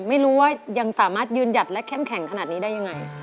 ไม่รู้ว่ายังสามารถยืนหยัดและเข้มแข็งขนาดนี้ได้ยังไง